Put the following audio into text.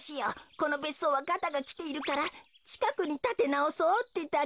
このべっそうはガタがきているからちかくにたてなおそうってだけなのに。